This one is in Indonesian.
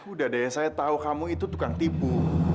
udah deh saya tahu kamu itu tukang tipu